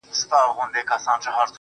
اوس هره شپه سپينه سپوږمۍ,